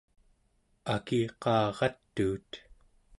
akiqaaratuut